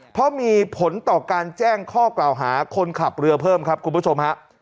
เพราะมีผลต่อการแจ้งข้อกล่าวหาคนขับเรือเพิ่มครับคุณผู้ชมฮะ